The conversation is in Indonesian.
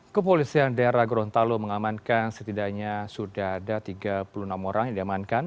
kepolisian daerah gorontalo mengamankan setidaknya sudah ada tiga puluh enam orang yang diamankan